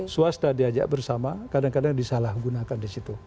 swasta diajak bersama kadang kadang disalahgunakan disitu